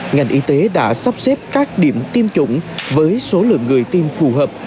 ngành y tế đã sắp xếp các điểm tiêm chủng với số lượng người tiêm phù hợp